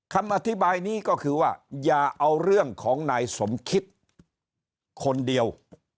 คำอธิบายนี้ก็คือว่าอย่าเอาเรื่องของนายสมคิดคนเดียว